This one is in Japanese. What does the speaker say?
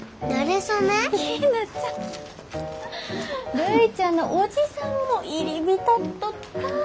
るいちゃんの叔父さんも入り浸っとった。